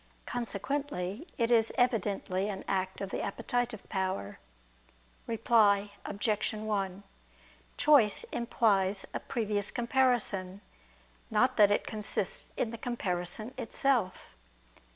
Consequently it is evidently an act of the appetitive power. Reply Obj. 1: Choice implies a previous comparison; not that it consists in the comparison itself.